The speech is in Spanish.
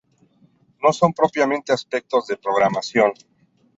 No son propiamente aspectos de programación.